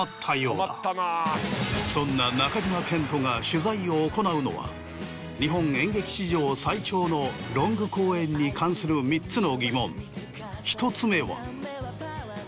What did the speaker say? そんな中島健人が取材を行うのは日本演劇史上最長のロング公演に関する３つの疑問。